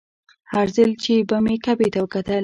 هر ځل چې به مې کعبې ته وکتل.